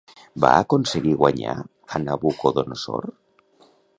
Va aconseguir guanyar a Nabucodonosor?